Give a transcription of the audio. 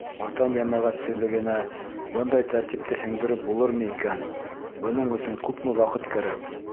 Ватан йәмәғәтселегенә бындай тәртипте һеңдереп булырмы икән, бының өсөн күпме ваҡыт кәрәк?